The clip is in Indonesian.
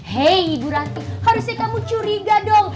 hei ibu ratu harusnya kamu curiga dong